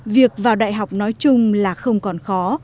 việc vào đại học nói chung là không còn khó